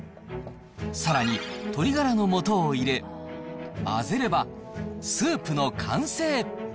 さらに鶏がらのもとを入れ、混ぜればスープの完成。